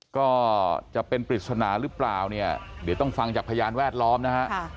ก็จะเป็นปริศนาหรือเปล่าเนี่ยเดี๋ยวต้องฟังจากพยานแวดล้อมนะฮะ